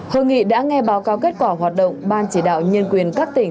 hội nghị đã nghe báo cáo kết quả hoạt động ban chỉ đạo nhân quyền các tỉnh